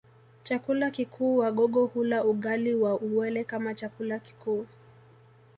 Chakula kikuu Wagogo hula ugali wa uwele kama chakula kikuu